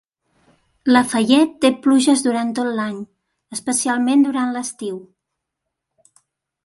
Lafayette té pluges durant tot l"any, especialment durant l"estiu.